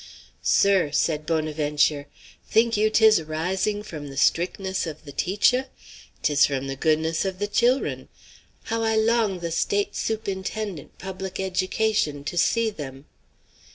"Sir," said Bonaventure, "think you 'tis arising, f'om the strickness of the teacher? 'Tis f'om the goodness of the chil'run! How I long the State Sup'inten'ent Public Education to see them!"